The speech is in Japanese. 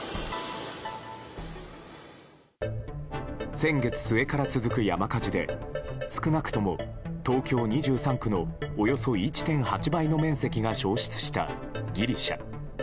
先月末から続く山火事で少なくとも東京２３区のおよそ１．８倍の面積が焼失したギリシャ。